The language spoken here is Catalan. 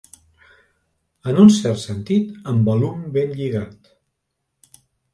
En un cert sentit, embalum ben lligat.